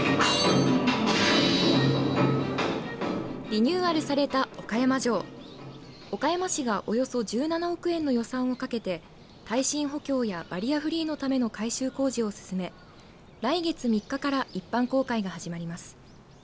リニューアルされた岡山城岡山市がおよそ１７億円の予算をかけて耐震補強やバリアフリーのための改修工事を進め来月３日から一般公開が始まります。